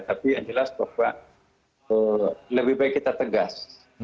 tapi yang jelas bahwa lebih baik kita tegas